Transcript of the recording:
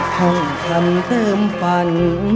ห้องทำเติมฝัน